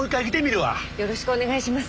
よろしくお願いします。